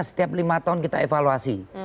setiap lima tahun kita evaluasi